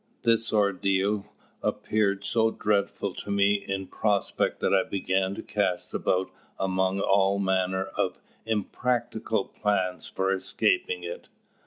This ordeal appeared so dreadful to me in prospect that I began to cast about among all manner of impracticable plans for escaping it.